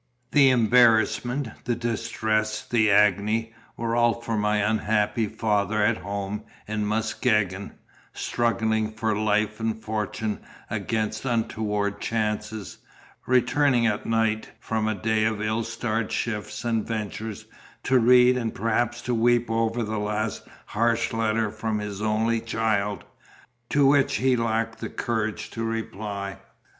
The embarrassment, the distress, the agony, were all for my unhappy father at home in Muskegon, struggling for life and fortune against untoward chances, returning at night from a day of ill starred shifts and ventures, to read and perhaps to weep over that last harsh letter from his only child, to which he lacked the courage to reply.